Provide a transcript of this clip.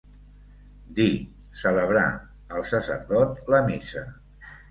Dir, celebrar, el sacerdot la missa.